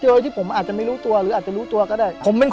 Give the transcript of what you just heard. โดยที่ผมอาจจะไม่รู้ตัวหรืออาจจะรู้ตัวก็ได้